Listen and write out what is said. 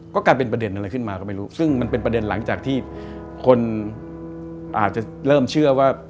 ก็กลายเป็นประเด็นอะไรขึ้นมาก็ไม่รู้ซึ่งมันเป็นประเด็นหลังจากที่คนอาจจะเริ่มเชื่อว่า